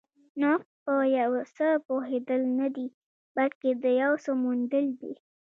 نوښت په یو څه پوهېدل نه دي، بلکې د یو څه موندل دي.